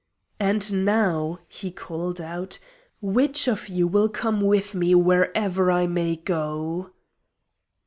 "And now," he called out, "which of you will come with me wherever I may go?"